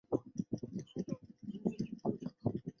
滇东杜根藤为爵床科杜根藤属的植物。